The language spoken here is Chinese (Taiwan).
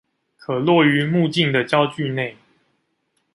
可落於目鏡的焦距內